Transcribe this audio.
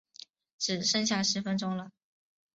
只剩下十分钟了